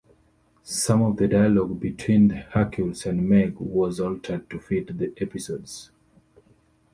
Some of the dialogue between Hercules and Meg was altered to fit the episodes.